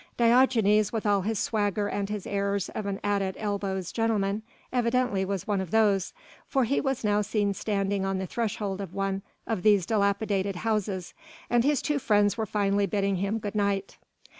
Diogenes with all his swagger and his airs of an out at elbows gentleman evidently was one of those, for he was now seen standing on the threshold of one of these dilapidated houses and his two friends were finally bidding him good night.